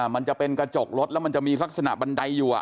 มันจะเป็นกระจกรถแล้วมันจะมีลักษณะบันไดอยู่